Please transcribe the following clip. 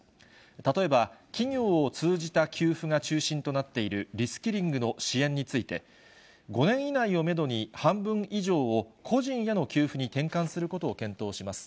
例えば、企業を通じた給付が中心となっているリスキリングの支援について、５年以内をメドに、半分以上を個人への給付に転換することを検討します。